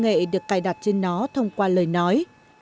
cô robot này có thể được cài đặt trên nó thông qua lời nói